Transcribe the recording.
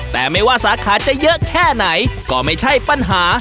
แต่ไม่ว่าสาขาจะเยอะแค่ไหนก็ไม่ใช่ปัญหา